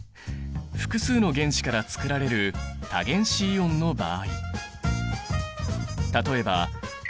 複数の原子からつくられる多原子イオンの場合。